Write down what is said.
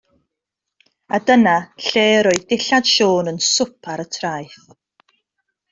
A dyna lle yr oedd dillad Siôn yn swp ar y traeth.